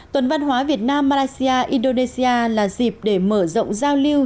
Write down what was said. tuần văn hóa việt nam malaysia indonesia là dịp để mở rộng giao lưu